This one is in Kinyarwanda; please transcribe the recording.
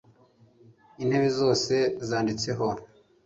intebe zose zanditseho